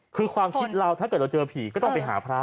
คือความคิดเราถ้าเกิดเราเจอผีก็ต้องไปหาพระ